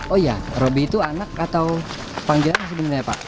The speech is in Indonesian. oh iya robby itu anak atau panggilan sebenarnya pak